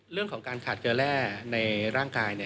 เรื่องของการขาดเกลือแร่ในร่างกาย